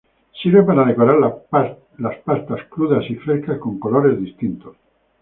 Sirve para decorar las pastas crudas y frescas con colores distintos.